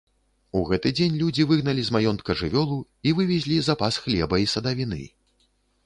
У гэты дзень людзі выгналі з маёнтка жывёлу і вывезлі запас хлеба і садавіны.